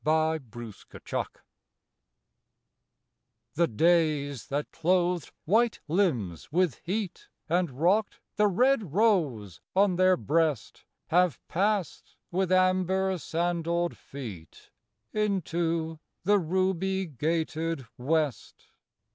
DAYS AND DAYS The days that clothed white limbs with heat, And rocked the red rose on their breast, Have passed with amber sandalled feet Into the ruby gated west.